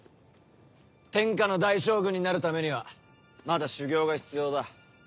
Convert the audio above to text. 天下の大将軍になるためにはまだ修業が必要だ。